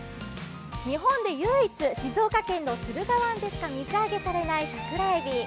日本で唯一静岡県の駿河湾でしか水揚げされないさくらえび。